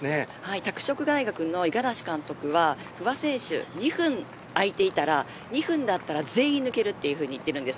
拓殖の五十嵐監督は不破選手２分を開いていたら２分だったら全員抜けると言っているんです。